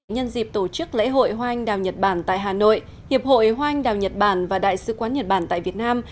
nhân dịp tổ chức lễ hội hoa anh đào nhật bản tại hà nội hiệp hội hoa anh đào nhật bản và đại sứ quán nhật bản tại việt nam